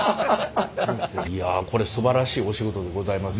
いやこれすばらしいお仕事でございます。